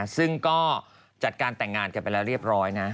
ซึ่งก็จัดการแต่งงานไปเรียบร้อยนะ